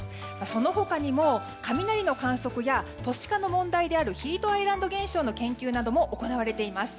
その他にも雷の観測や都市化の問題であるヒートアイランド現象の研究なども行われています。